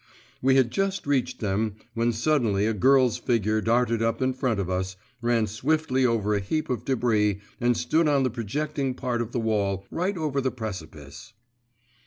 We had just reached them, when suddenly a girl's figure darted up in front of us, ran swiftly over a heap of debris, and stood on the projecting part of the wall, right over the precipice.